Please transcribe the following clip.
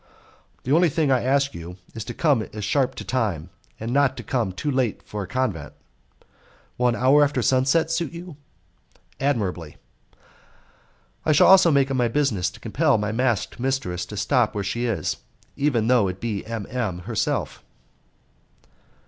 "The only thing I ask you is to come sharp to time; and not to come too late for a convent." "Will an hour after sunset suit you?" "Admirably." "I shall also make it my business to compel my masked mistress to stop where she is, even though it be M. M. herself."